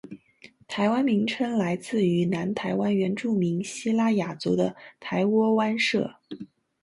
“台湾”名称来自于南台湾原住民西拉雅族的台窝湾社。